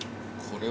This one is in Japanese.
これ？